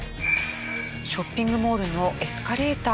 ショッピングモールのエスカレーター。